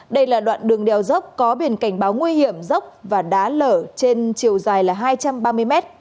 đây là đoạn đường đèo dốc có biển cảnh báo nguy hiểm dốc và đá lở trên chiều dài là hai trăm ba mươi mét